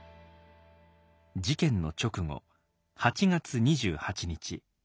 事件の直後８月２８日。